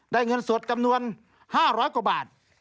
เงินสดจำนวน๕๐๐กว่าบาท